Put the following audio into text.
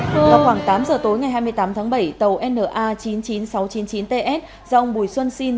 vào khoảng tám giờ tối ngày hai mươi tám tháng bảy tàu na chín mươi chín nghìn sáu trăm chín mươi chín ts do ông bùi xuân sinh